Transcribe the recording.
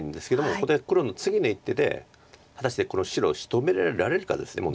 ここで黒の次の一手で果たしてこの白をしとめられるかです問題は。